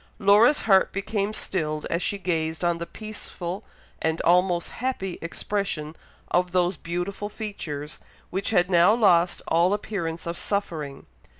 Laura's heart became stilled as she gazed on the peaceful and almost happy expression of those beautiful features, which had now lost all appearance of suffering.